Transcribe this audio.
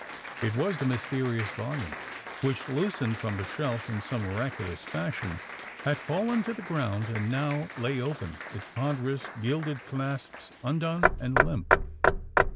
It was the mysterious volume which, loosened from the shelf in some miraculous fashion, had fallen to the ground, and now lay open, its ponderous, gilded clasps undone and limp.